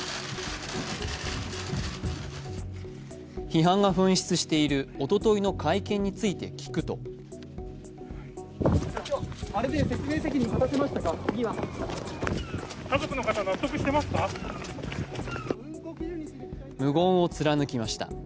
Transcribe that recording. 批判が噴出しているおとといの会見について聞くと無言を貫きました。